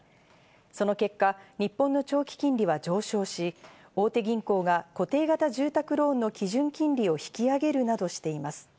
その結果、日本の長期金利は上昇し、大手銀行が固定型住宅ローンの基準金利を引き上げるなどしています。